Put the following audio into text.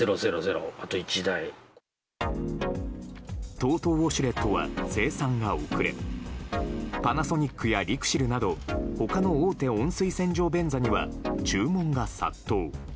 ＴＯＴＯウォシュレットは生産が遅れパナソニックやＬＩＸＩＬなど他の大手温水洗浄便座には注文が殺到。